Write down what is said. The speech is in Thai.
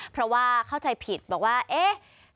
เพราะว่าเข้าใจผิดบอกว่าเอ๊ะ